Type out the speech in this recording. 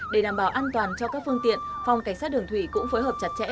để đảm bảo an toàn cho các phương tiện phòng cảnh sát đường thủy cũng phối hợp chặt chẽ